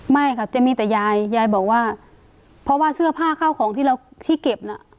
ไม่ค่ะจะมีแต่ยายยายบอกว่าเพราะว่าเสื้อผ้าข้าวของที่เราที่เก็บน่ะ